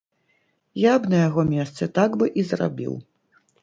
Я б на яго месцы так бы і зрабіў.